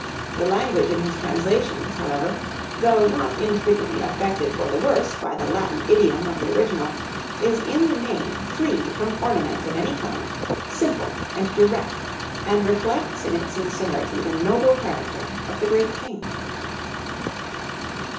The language in his translations, however, though not infrequently affected for the worse by the Latin idiom of the original, is in the main free from ornament of any kind, simple and direct, and reflects in its sincerity the noble character of the great king.